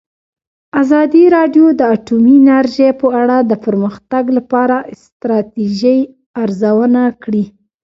ازادي راډیو د اټومي انرژي په اړه د پرمختګ لپاره د ستراتیژۍ ارزونه کړې.